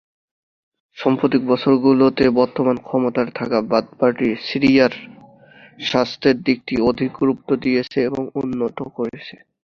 সাম্প্রতিক বছরগুলোতে বর্তমানে ক্ষমতায় থাকা বাথ পার্টি সিরিয়ায় স্বাস্থ্যের দিকটি অধিক গুরুত্ব দিয়েছে এবং উন্নত করেছে।